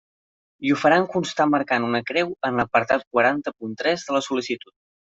I ho faran constar marcant una creu en l'apartat quaranta punt tres de la sol·licitud.